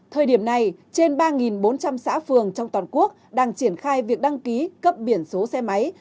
thời điểm này trên ba bốn trăm linh xã phường trong toàn quốc đang triển khai việc đăng ký cấp biển số xe máy